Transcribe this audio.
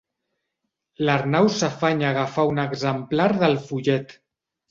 L'Arnau s'afanya a agafar un exemplar del fullet.